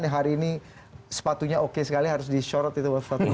yang hari ini sepatunya oke sekali harus dishorot itu sepatunya